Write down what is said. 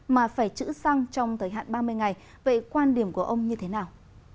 mà phải chữ xăng trong thời hạn ba mươi ngày vậy quan điểm của ông như thế nào